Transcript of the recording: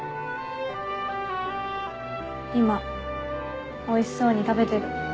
今おいしそうに食べてる。